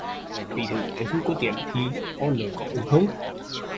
Ví thử anh không có tiền thì o nớ có ưng không